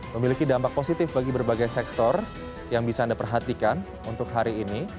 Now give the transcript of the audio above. memiliki dampak positif bagi berbagai sektor yang bisa anda perhatikan untuk hari ini